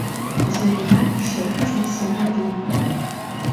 Зоринат шыргыжме семын лие.